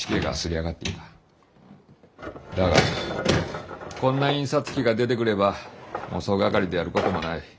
だがこんな印刷機が出てくればもう総がかりでやることもない。